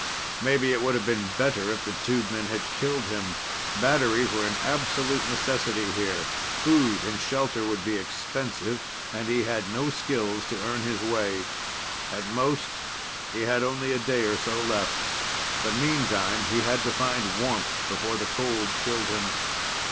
Maybe it would have been better if the tubemen had killed him. Batteries were an absolute necessity here, food and shelter would be expensive, and he had no skills to earn his way. At most, he had only a day or so left. But meantime, he had to find warmth before the cold killed him.